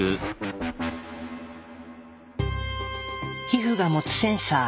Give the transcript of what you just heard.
皮膚が持つセンサー。